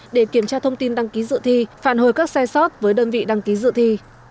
để kiểm tra thông tin đăng ký dự thi phản hồi các sai sót với đơn vị đăng ký dự thi